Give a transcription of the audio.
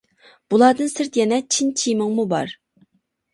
بۇلاردىن سىرت يەنە چىن چىمىڭمۇ بار.